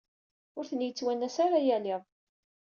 Ur ten-yettwanas ara yal iḍ.